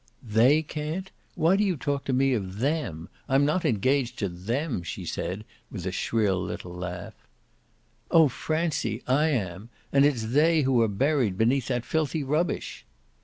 "THEY can't? Why do you talk to me of 'them'? I'm not engaged to 'them'!" she said with a shrill little laugh. "Oh Francie I am! And it's they who are buried beneath that filthy rubbish!"